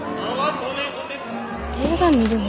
映画見るん？